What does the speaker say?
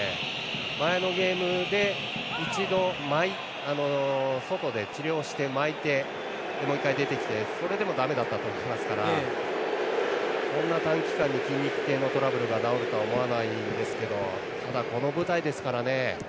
前のゲームで一度外で治療して、巻いてもう１回出てきて、それでもだめだったときてますからそれだけ短期間で筋肉系のトラブルが治るとは思わないですけどこの舞台ですからね。